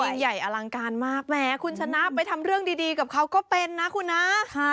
ยิ่งใหญ่อลังการมากแม้คุณชนะไปทำเรื่องดีกับเขาก็เป็นนะคุณนะ